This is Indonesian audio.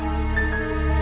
aku mau ke kamar